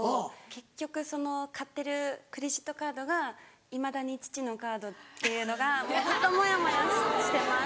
結局その買ってるクレジットカードがいまだに父のカードっていうのがずっとモヤモヤしてます。